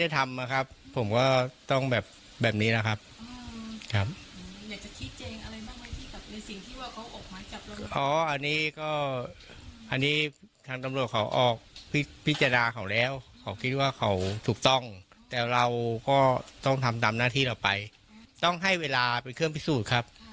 แต่เราก็ต้องทำตามหน้าที่เราไปต้องให้เวลาเป็นเครื่องพิสูจน์ครับ